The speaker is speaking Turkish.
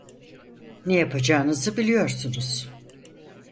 Ne yapacağınızı biliyorsunuz.